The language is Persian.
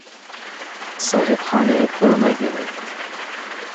صاحب خانه کرونا گرفت